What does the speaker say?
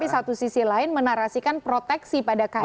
satu sisi lain menarasikan proteksi pada kader